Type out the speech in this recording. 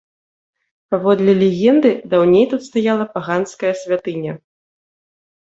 Паводле легенды, даўней тут стаяла паганская святыня.